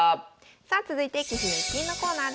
さあ続いて「棋士の逸品」のコーナーです。